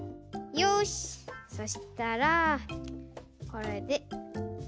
よしそしたらこれで。